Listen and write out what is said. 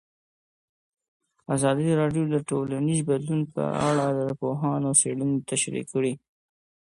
ازادي راډیو د ټولنیز بدلون په اړه د پوهانو څېړنې تشریح کړې.